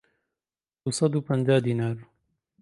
دوو سەد و پەنجا دینار